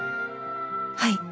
はい。